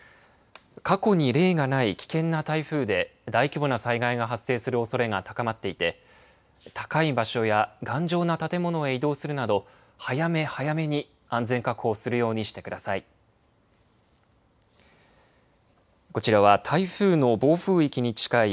過去に例がない危険な台風で大規模な災害が発生するおそれが高まっていて高い場所や頑丈な建物へ移動するなど早め早めに安全確保をするようにしてください。